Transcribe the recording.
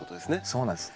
そうなんです。